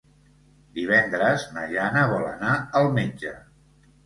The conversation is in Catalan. Divendres na Jana vol anar al metge.